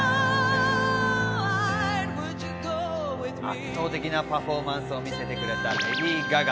圧倒的なパフォーマンスを見せてくれたレディー・ガガ。